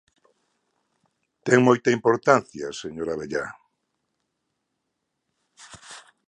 ¡Ten moita importancia, señor Abellá!